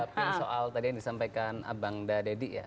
saya ingin mengatakan soal tadi yang disampaikan abang dadedi